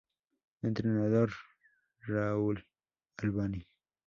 Entrenador: Raoul Albani